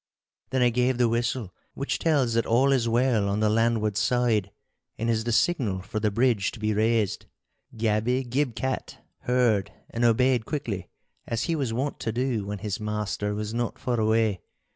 Then I gave the whistle which tells that all is well on the landward side, and is the signal for the bridge to be raised. Gabby Gib cat heard and obeyed quickly, as he was wont to do when his master was not far away.